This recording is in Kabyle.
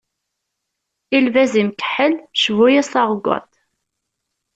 I lbaz imkeḥḥel, cbu-yas taɣeggaṭ.